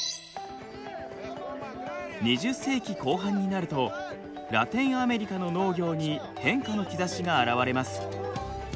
２０世紀後半になるとラテンアメリカの農業に変化の兆しが現れます。